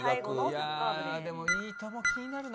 いやでも『いいとも！』気になるなやっぱ。